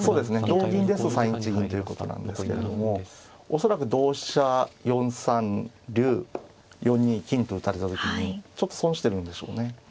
同銀ですと３一銀ということなんですけれども恐らく同飛車４三竜４二金と打たれた時にちょっと損してるんでしょうね。